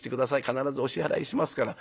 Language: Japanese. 必ずお支払いしますから。